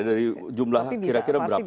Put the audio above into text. dari jumlah kira kira berapa